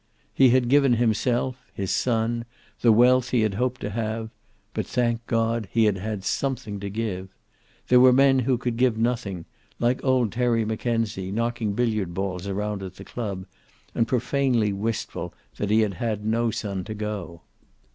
He had given himself, his son, the wealth he had hoped to have, but, thank God, he had had something to give. There were men who could give nothing, like old Terry Mackenzie, knocking billiard balls around at the club, and profanely wistful that he had had no son to go.